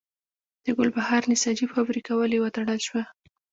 د ګلبهار نساجي فابریکه ولې وتړل شوه؟